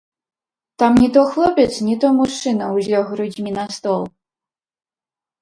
Там не то хлопец, не то мужчына ўзлёг грудзьмі на стол.